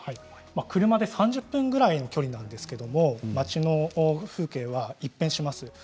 車で３０分ぐらいの距離だったんですけど町の風景は一変します。